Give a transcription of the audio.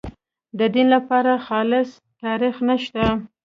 د دین لپاره خالص تاریخ نشته.